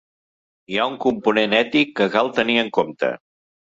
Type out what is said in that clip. Hi ha un component ètic que cal tenir en compte.